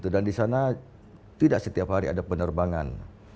dan di sana tidak setiap hari ada penerbangan